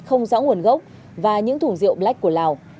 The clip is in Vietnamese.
không rõ nguồn gốc và những thùng rượu black của lào